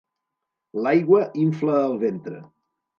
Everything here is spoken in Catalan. L'aigua infla el ventre.